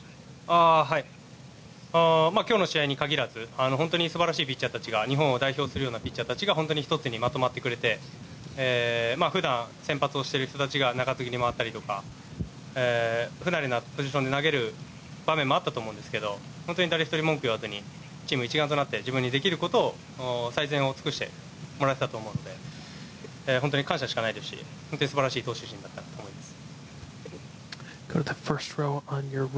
今日の試合に限らず本当に素晴らしいピッチャーたちが日本を代表するようなピッチャーたちが一つにまとまってくれて普段先発をしている人たちが中継ぎに回ったりとか不慣れなポジションで投げる場面もあったと思うんですけど誰一人、文句を言わずにチーム一丸となって自分にできることを最善を尽くしてもらえてたと思うので本当に感謝しかないですし本当に素晴らしい投手陣だったと思います。